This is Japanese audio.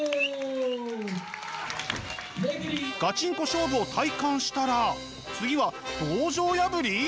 ガチンコ勝負を体感したら次は道場破り！？